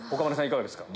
いかがですか？